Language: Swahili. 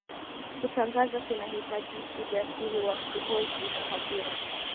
kutangaza kunahitaji ujasiri wa kuhoji hadhira